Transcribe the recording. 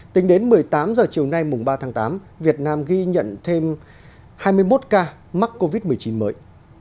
tính đến một mươi tám h chiều nay mùng ba tháng tám việt nam ghi nhận thêm hai mươi một ca mắc covid một mươi chín mới